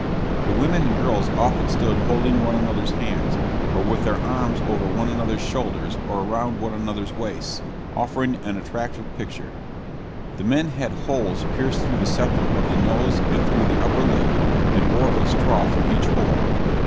The women and girls often stood holding one another's hands, or with their arms over one another's shoulders or around one another's waists, offering an attractive picture. The men had holes pierced through the septum of the nose and through the upper lip, and wore a straw through each hole.